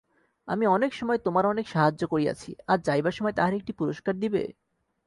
আমি অনেক সময় তোমার অনেক সাহায্য করিয়াছি আজ যাইবার সময় তাহার একটি পুরস্কার দিবে?